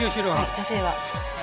女性は？